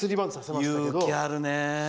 勇気あるね。